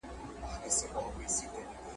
بیا به ټول د خپلی لاري پیروان کړې